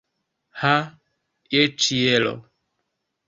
Ha, je ĉielo!